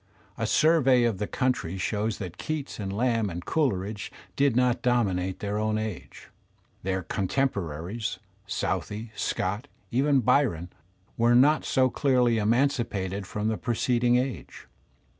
A survey of the countiy shows that Keats and Lamb and Coleridge did not dominate their own age. Their con temporaries, Southey, Scott, even Biyon, were not so clearly emancipated from the preceding age.